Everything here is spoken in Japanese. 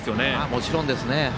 もちろんですね。